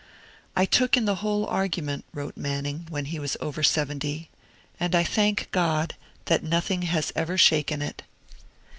'I took in the whole argument,' wrote Manning, when he was over seventy, 'and I thank God that nothing has ever shaken it.'